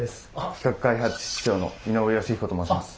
企画開発室長の井上慶彦と申します。